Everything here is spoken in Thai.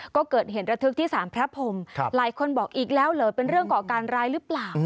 ก็เกิดเหตุระทึกที่สารพระพรมหลายคนบอกอีกแล้วเหรอเป็นเรื่องก่อการร้ายหรือเปล่า